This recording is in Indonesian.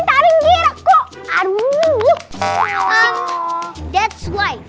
melihat dengan benar benar aduh